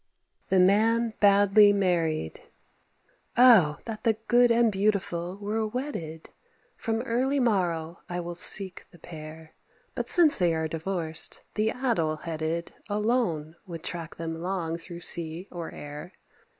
FABLE CXXVIII. THE MAN BADLY MARRIED. Oh, that the good and beautiful were wedded! From early morrow I will seek the pair; But since they are divorced, the addle headed Alone would track them long through sea or air.